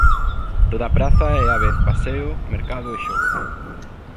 Toda praza é á vez paseo, mercado e xogo.